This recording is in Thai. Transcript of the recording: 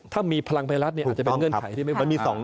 ถ้ามีพลังไบรัสมันก็อาจจะเป็นเงื่อนไข